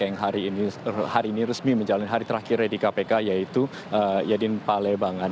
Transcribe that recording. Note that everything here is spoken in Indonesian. yang hari ini resmi menjalani hari terakhirnya di kpk yaitu yadin palebangan